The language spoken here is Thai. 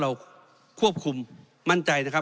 เพราะฉะนั้นโทษเหล่านี้มีทั้งสิ่งที่ผิดกฎหมายใหญ่นะครับ